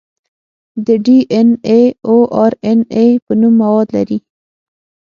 د ډي ان اې او ار ان اې په نوم مواد لري.